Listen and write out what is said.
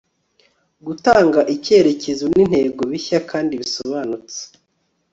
gutanga icyerekezo n'intego bishya kandi bisobanutse